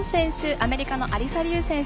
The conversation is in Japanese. アメリカのアリサ・リュウ選手